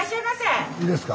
いいですか？